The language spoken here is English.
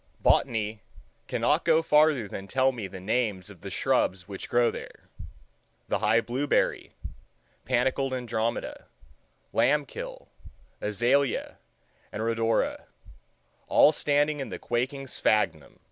Botany cannot go farther than tell me the names of the shrubs which grow there—the high blueberry, panicled andromeda, lamb kill, azalea, and rhodora—all standing in the quaking sphagnum.